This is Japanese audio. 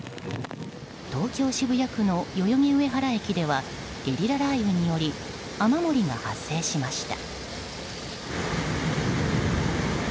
東京・渋谷区の代々木上原駅ではゲリラ雷雨により雨漏りが発生しました。